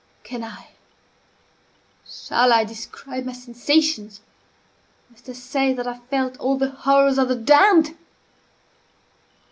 Can I shall I describe my sensations? Must I say that I felt all the horrors of the damned?